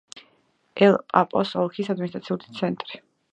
ელ-პასოს ოლქის ადმინისტრაციული ცენტრი.